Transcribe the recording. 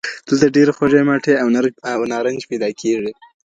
دلته ډېرې خوږي مالټي او نارنج پیدا کیږي.